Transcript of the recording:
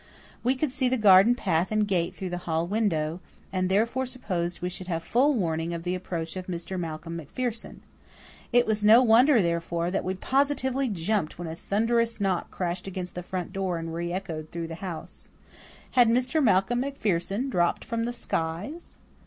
We could see the garden path and gate through the hall window, and therefore supposed we should have full warning of the approach of Mr. Malcolm MacPherson. It was no wonder, therefore, that we positively jumped when a thunderous knock crashed against the front door and re echoed through the house. Had Mr. Malcolm MacPherson dropped from the skies?